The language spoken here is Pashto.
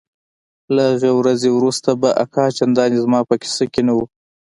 له هغې ورځې وروسته به اکا چندانې زما په کيسه کښې نه و.